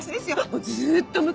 もうずっと昔。